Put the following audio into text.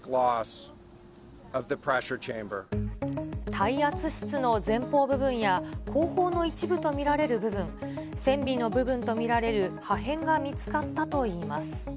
耐圧室の前方部分や、後方の一部と見られる部分、船尾の部分と見られる破片が見つかったといいます。